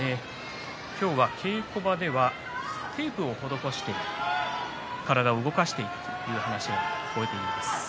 今日は稽古場ではテープを施して体を動かしていたという話が聞こえています。